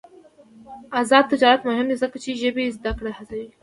آزاد تجارت مهم دی ځکه چې ژبې زدکړه هڅوي.